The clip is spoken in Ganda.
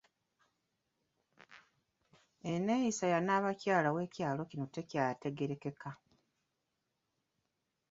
Enneeyisa ya Nnaabakyala w’ekyalo kino tekyategeerekeka.